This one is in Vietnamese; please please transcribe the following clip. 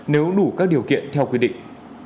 nếu đủ các điều kiện theo quy định